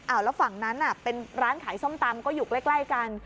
แล้วฝั่งนั้นเป็นร้านขายส้มตำก็อยู่ใกล้กัน